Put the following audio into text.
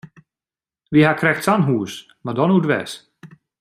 Wy hawwe krekt sa'n hús, mar dan oerdwers.